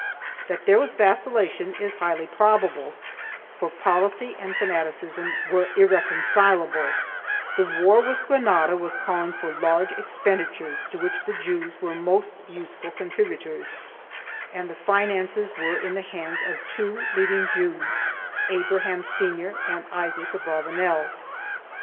3 That there was vacillation is highly probable, for policy and fanaticism were irreconcilable. The war with Granada was calling for large expenditures, to which the Jews were most useful contributors and the finances were in the hands of two leading Jews, Abraham Senior and Isaac Abravanel, to whose , 1 Pulgar, Cronica de los Reyes Catolicos, n, Ixxvii.